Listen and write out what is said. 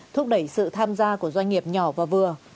thúc đẩy sự tham gia của doanh nghiệp nhỏ và vừa